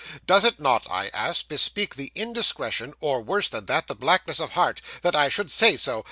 Does it not, I ask, bespeak the indiscretion, or, worse than that, the blackness of heart that I should say so!